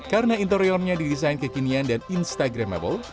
karena interiornya didesain kekinian dan instagramable